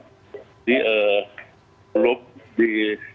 jadi pelup di